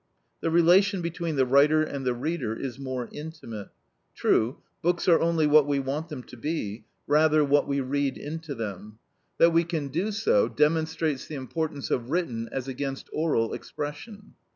The relation between the writer and the reader is more intimate. True, books are only what we want them to be; rather, what we read into them. That we can do so demonstrates the importance of written as against oral expression.